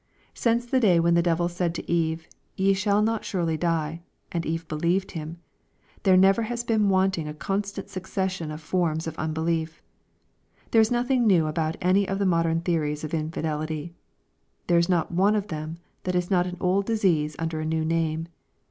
Since the day when the. devil said to Eve "ye shall not surely die," andEve believed him, there never hasbeen wantinga constant succession of forms of unbelief. — There is nothing new about any of the modern theories of infidelity. There is not one of them that is not &n old disease under a new name.